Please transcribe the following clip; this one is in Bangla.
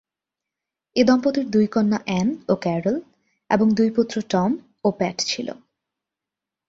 এ দম্পতির দুই কন্যা অ্যান ও ক্যারল এবং দুই পুত্র টম ও প্যাট ছিল।